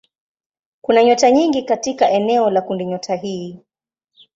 Kuna nyota nyingi katika eneo la kundinyota hii.